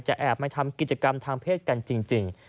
แอบมาทำกิจกรรมทางเพศกันจริง